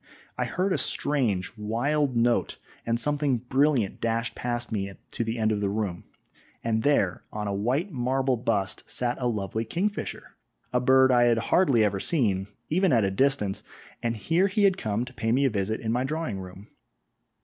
I heard a strange, wild note, and something brilliant dashed past me to the end of the room, and there, on a white marble bust sat a lovely kingfisher a bird I had hardly ever seen, even at a distance, and here he had come to pay me a visit in my drawing room.